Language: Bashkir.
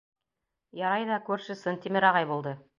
— Ярай ҙа күрше Сынтимер ағай булды.